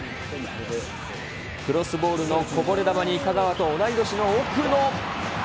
クロスボールのこぼれ球に香川と同い年の奥埜。